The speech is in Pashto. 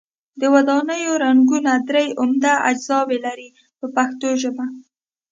د ودانیو رنګونه درې عمده اجزاوې لري په پښتو ژبه.